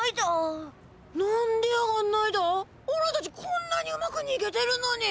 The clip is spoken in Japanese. こんなにうまくにげてるのに。